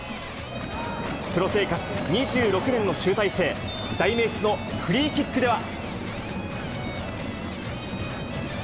プロ生活２６年の集大成、代名詞のフリーキックでは。